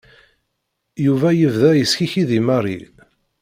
Yuba yebda yeskikiḍ i Mary.